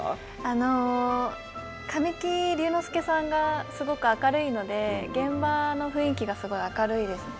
あの神木隆之介さんがすごく明るいので現場の雰囲気がすごい明るいですね。